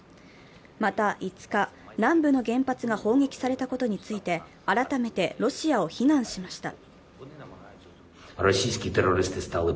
また５日、南部の原発が砲撃されたことについて改めてロシアを非難しました。